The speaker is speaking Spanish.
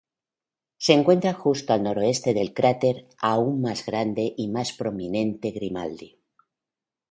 Se encuentra justo al noroeste del cráter aún más grande y más prominente Grimaldi.